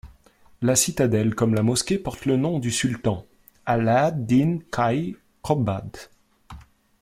La citadelle comme la mosquée portent le nom du sultan `Ala'ad-Dîn Kay Qubadh.